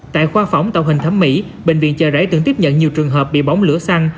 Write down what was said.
qua phỏng tạo hình thấm mỹ bệnh viện chờ rễ tưởng tiếp nhận nhiều trường hợp bị bóng lửa xăng